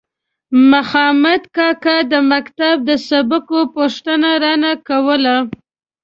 مخامد کاکا د مکتب د سبقو پوښتنه رانه کوله.